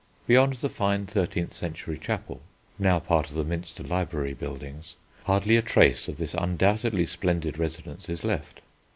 Beyond the fine thirteenth century chapel (now part of the Minster library buildings) hardly a trace of this undoubtedly splendid residence is left.